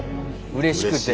うれしくて。